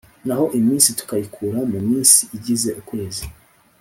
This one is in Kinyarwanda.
naho iminsi tukayikura mu minsi igize ukwezi